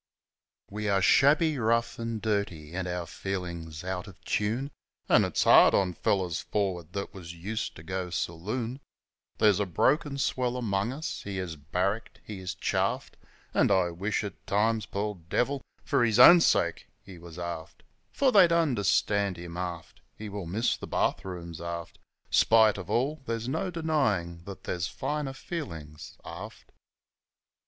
We are shabby, rough, 'n' dirty, an' our feelin's out of tune, An' it's hard on fellers f or'ard that was used to go saloon ; There's a broken swell amongst us he is barracked, he is chaffed, An' I wish at times, poor devil, for his own sake he was aft ; For they'd understand him, aft, (He will miss the bath rooms aft) Spite of all there's no denying that there's finer feelin's aft.